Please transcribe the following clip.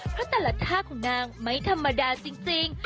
เพราะแต่ละท่าของนางไม่ธรรมดาจริง